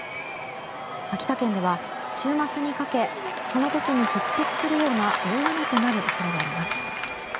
秋田県では週末にかけこの時に匹敵するような大雨となる恐れがあります。